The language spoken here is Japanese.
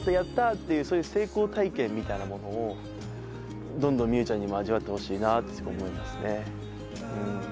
ていうそういう成功体験みたいなものをどんどんみうちゃんにも味わってほしいなって思いますね。